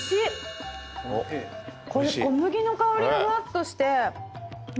これ小麦の香りがふわっとして。